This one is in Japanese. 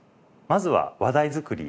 まずは話題作り。